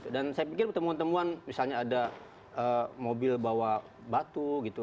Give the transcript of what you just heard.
dan saya pikir pertemuan pertemuan misalnya ada mobil bawa batu gitu